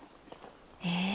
え？